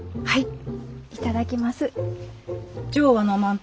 はい。